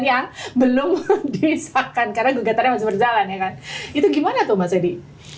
yang belum disahkan karena gugatannya masih berjalan ya kan itu gimana tuh mas edi